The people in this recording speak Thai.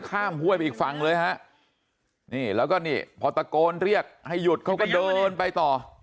ห้วยไปอีกฝั่งเลยฮะนี่แล้วก็นี่พอตะโกนเรียกให้หยุดเขาก็เดินไปต่อ